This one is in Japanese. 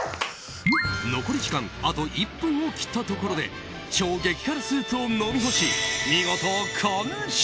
残り時間あと１分を切ったところで超激辛スープを飲み干し見事完食！